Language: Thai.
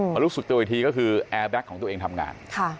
รู้สึกตัวอีกทีก็คือแอร์แบ็คของตัวเองทำงาน